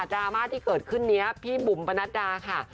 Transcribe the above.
ราม่าที่เกิดขึ้นนี้พี่บุ๋มปนัดดาค่ะ